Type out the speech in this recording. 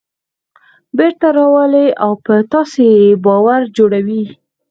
بېرته راولي او په تاسې یې باور جوړوي.